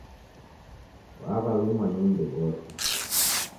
Waw'alumwa ni m'mbi ghose.